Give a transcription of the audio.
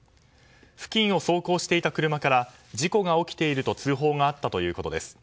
付近を走行していた車から事故が起きていると通報があったということです。